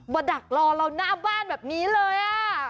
ดักรอเราหน้าบ้านแบบนี้เลย